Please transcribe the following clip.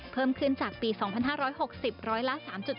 เพิ่มขึ้นจากปี๒๕๖๐ร้อยละ๓๗